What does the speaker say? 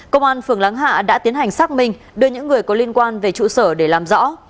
công an phường láng hạ đã tiến hành xác minh đưa những người có liên quan về trụ sở để làm rõ